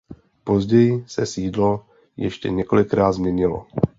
Později se sídlo ještě několikrát změnilo.